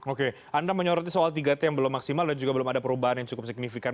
oke anda menyoroti soal tiga t yang belum maksimal dan juga belum ada perubahan yang cukup signifikan